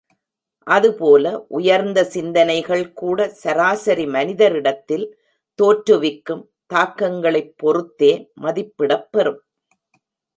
அதுபோல, உயர்ந்த சிந்தனைகள் கூட சராசரி மனிதரிடத்தில் தோற்றுவிக்கும் தாக்கங்களைப் பொறுத்தே மதிப்பிடப் பெறும்.